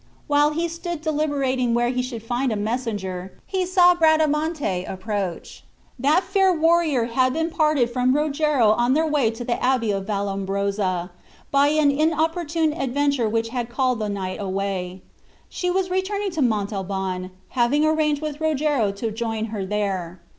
While he stood deliberating where he should find a messenger, he saw Bradamante approach. That fair warrior had been parted from Rogero on their way to the abbey of Vallombrosa, by an inopportune adventure which had called the knight away. She was now returning to Montalban, having arranged with Rogero to join her there.